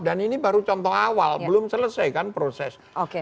dan ini baru contoh awal belum selesai kan proses